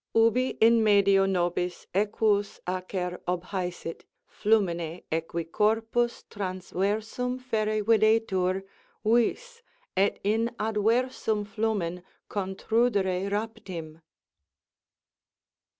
Ubi in medio nobis equus acer obhæsit Flamine, equi corpus transversum ferre videtur Vis, et in adversum flumen contrudere raptim.